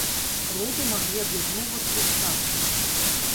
Роды маглі аб'ядноўвацца ў фратрыі.